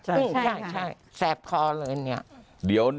ใช่แสบคอเลยเนี่ย